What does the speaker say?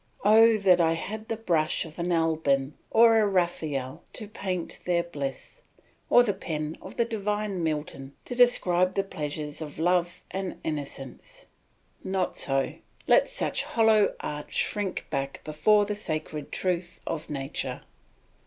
Oh that I had the brush of an Alban or a Raphael to paint their bliss, or the pen of the divine Milton to describe the pleasures of love and innocence! Not so; let such hollow arts shrink back before the sacred truth of nature.